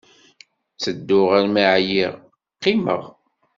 Ttedduɣ armi ɛyiɣ, qqimeɣ.